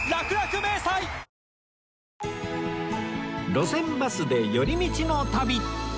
『路線バスで寄り道の旅』